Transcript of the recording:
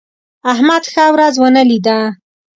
احمد ښه ورځ ونه لیده.